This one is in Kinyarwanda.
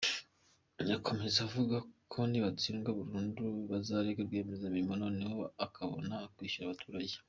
Akomeza avuga ko nibatsindwa burundu bazarega rwiyemezamirimo noneho akabona kwishyura abaturage.